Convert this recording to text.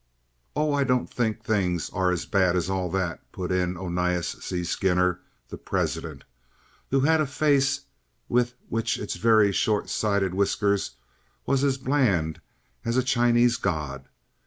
"Oh, I don't think things are as bad as all that," put in Onias C. Skinner, the president, who had a face which with its very short side whiskers was as bland as a Chinese god.